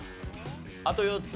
あと４つ。